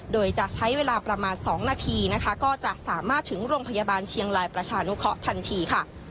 โดยจะใช้เวลาประมาณ๒นาทีนะคะก็จะสามารถถึงโรงพยาบาลเชียงรายประชานุเคราะห์ทันทีค่ะ